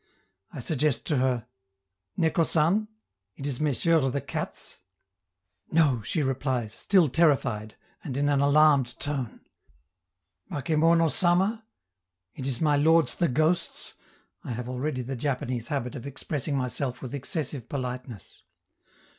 I suggest to her "Neko San?" ("It is Messieurs the cats?") "No!" she replies, still terrified, and in an alarmed tone. "Bakemono Sama?" ("Is it my lords the ghosts?") I have already the Japanese habit of expressing myself with excessive politeness.